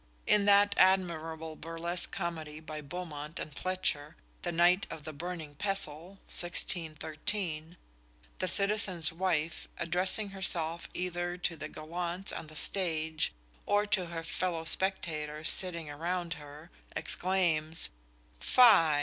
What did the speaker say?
In that admirable burlesque comedy by Beaumont and Fletcher, "The Knight of the Burning Pestle," 1613, the citizen's wife, addressing herself either to the gallants on the stage, or to her fellow spectators sitting around her, exclaims: "Fy!